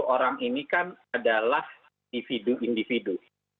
lima puluh tujuh orang ini kan adalah individu individu